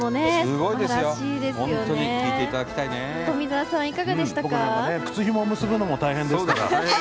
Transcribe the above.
僕なんか靴ひも結ぶのも大変ですから。